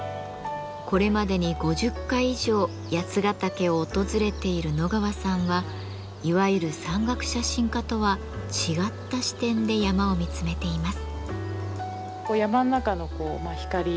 これまでに５０回以上八ヶ岳を訪れている野川さんはいわゆる山岳写真家とは違った視点で山を見つめています。